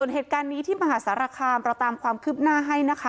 เหตุการณ์นี้ที่มหาสารคามเราตามความคืบหน้าให้นะคะ